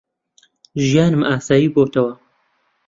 ژیانم ئاسایی بووەتەوە.